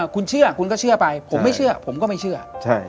คุณเชื่อคุณก็เชื่อไปผมไม่เชื่อผมก็ไม่เชื่อ